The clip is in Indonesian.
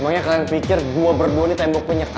emangnya kalian pikir gue berdua nih tembok penyekat apa